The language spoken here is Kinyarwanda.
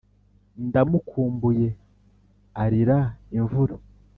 ndamukumbuye arira imvura;